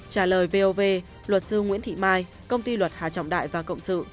trả lời vov luật sư nguyễn thị mai công ty luật hà trọng đại và cộng sự